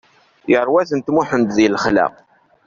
Yerwa-tent Muḥend di lexla.